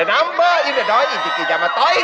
เดอะนัมเบอร์อีกเดี๋ยวน้อยอีกเดี๋ยวอีกเดี๋ยวจะมาต้อยค่ะ